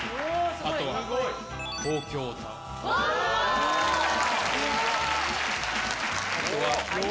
あとは東京タワー。